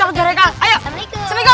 aduh ini ini